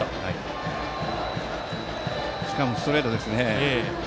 しかもストレートですね。